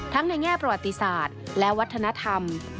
ในแง่ประวัติศาสตร์และวัฒนธรรม